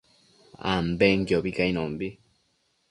ambenquiobi cainombi